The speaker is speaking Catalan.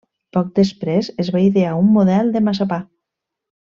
Poc després es va idear un model de massapà.